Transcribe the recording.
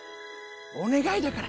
お願いだから！